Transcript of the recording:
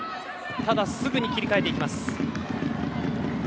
ただ、すぐに切り替えていきます。